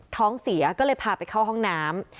ท้องเสียก็เลยพาไปเข้าห้องน้ำ